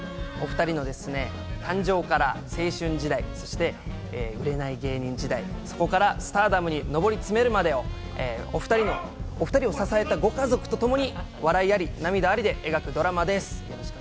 お２人のですね、誕生から青春時代、そして売れない芸人時代、そこからスターダムに上り詰めるまでを、お２人を支えたご家族とともに笑いあり涙ありで描くドラマです。